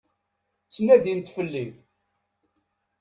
Ttnadint fell-i.